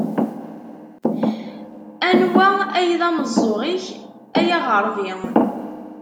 Anwa ay d ameẓẓuɣ-ik a yaɣerbi?